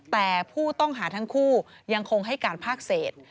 แต่ผู้ต้องหาทั้งคู่ยังคงให้การภาคเศษ